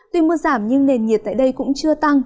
tuy mưa giảm nhưng nền nhiệt tại đây cũng chưa tăng